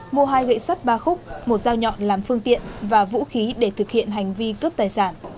mua hai gậy sắt ba khúc một dao nhọn làm phương tiện và vũ khí để thực hiện hành vi cướp tài sản